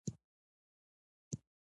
جلغوزي د افغانستان توره طلا ده